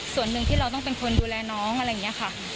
ส่วนหนึ่งที่เราต้องเป็นคนดูแลน้องอะไรอย่างนี้ค่ะ